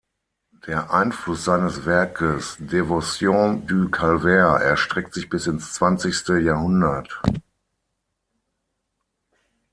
Der Einfluss seines Werkes "Devotion du Calvaire" erstreckt sich bis ins zwanzigste Jahrhundert.